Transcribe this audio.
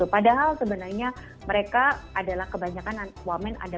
padahal sebenarnya mereka adalah wamen ada beberapa anak muda